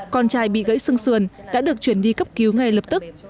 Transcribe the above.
con trai bị gãy xương sườn đã được chuyển đi cấp cứu ngay lập tức